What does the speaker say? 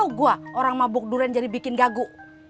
masya allah baru tau gua orang mabuk durian jadi bikin gagu